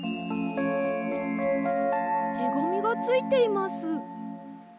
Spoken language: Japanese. てがみがついています。